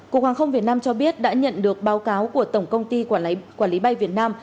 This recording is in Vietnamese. cục hàng không việt nam cho biết đã nhận được báo cáo của tổng công ty quản lý bay việt nam